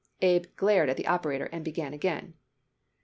Abe glared at the operator and began again.